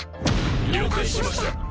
了解しました！